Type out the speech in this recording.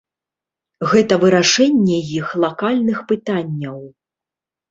Гэта вырашэнне іх лакальных пытанняў.